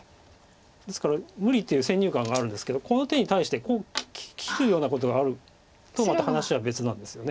ですから無理っていう先入観があるんですけどこの手に対して切るようなことがあるとまた話は別なんですよね。